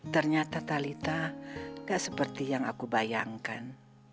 ternyata talitha tidak seperti yang aku bayangkan